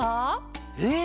えっ！